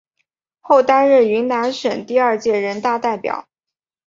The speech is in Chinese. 后担任云南省第二届人大代表。